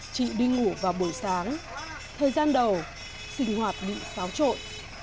chị đi ngủ vào buổi sáng thời gian đầu sinh hoạt bị xáo trộn